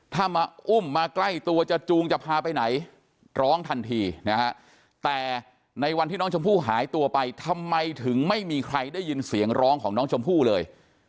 ถ้ามาอุ้มมาใกล้ตัวจะจูงจะพาไปไหนร้องทันทีนะฮะแต่ในวันที่น้องชมพู่หายตัวไปทำไมถึงไม่มีใครได้ยินเสียงร้องของน้องชมพู่เลย